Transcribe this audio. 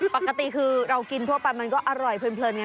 ปกติคือเรากินทั่วปันก็ก็อร่อยเผยไง